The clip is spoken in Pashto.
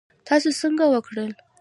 تاسو څنګه وکړل؟